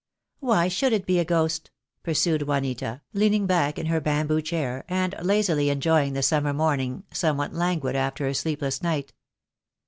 "Why should it be a ghost?" pursued Juanita, leaning back in her bamboo chair, and lazily enjoying the summer morning, somewhat languid after a sleepless night.